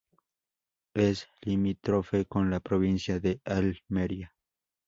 Es limítrofe con la provincia de Almería.